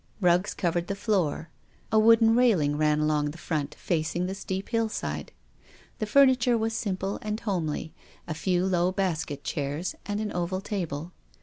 Rugs covered the floor. A wooden railing ran along the front facing the steep hillside. The furniture was simple and homely, a few low basket chairs and an oval table.